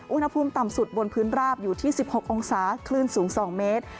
อุณหภูมิต่ำสุดบนพื้นราบอยู่ที่๑๖องศาคลื่นสูง๒เมตร